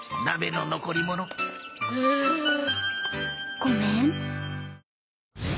ごめん。